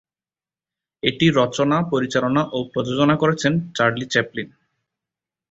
এটি রচনা, পরিচালনা ও প্রযোজনা করেছেন চার্লি চ্যাপলিন।